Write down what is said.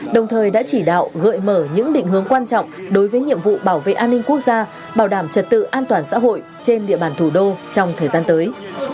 đồng thời đã chỉ đạo gợi mở những định hướng quan trọng đối với nhiệm vụ bảo vệ an ninh quốc gia bảo đảm trật tự an toàn xã hội trên địa bàn thủ đô trong thời gian tới